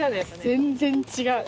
全然違う。